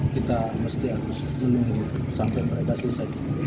kita mesti harus menunggu sampai mereka selesai